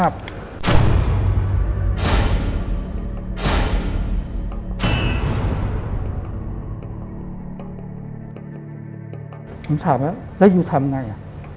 ผมถามแล้วแล้วอยู่ทำยังไง